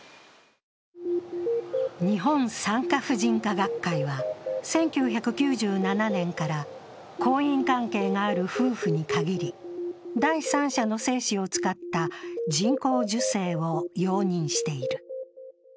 日本産科婦人科学会は１９９７年から婚姻関係がある夫婦に限り第三者の精子を使った人工授精を容認している。